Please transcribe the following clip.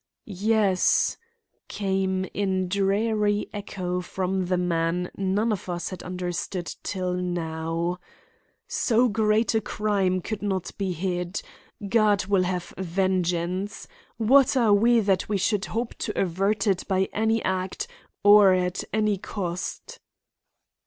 "Yes," came in dreary echo from the man none of us had understood till now; "so great a crime could not be hid. God will have vengeance. What are we that we should hope to avert it by any act or at any cost?"